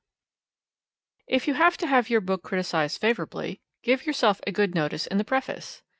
'If you to have your book criticized favorably, give yourself a good notice in the Preface!'